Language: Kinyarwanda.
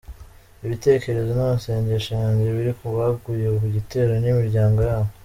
"Ibitekerezo n'amasengensho yanjye biri ku baguye mu gitero n'imiryango yabo.